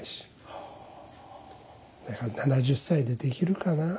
だから７０歳でできるかなあ。